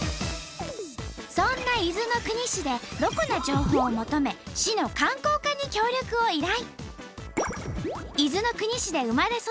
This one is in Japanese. そんな伊豆の国市でロコな情報を求め市の観光課に協力を依頼。